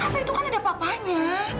sampai itu kan ada papanya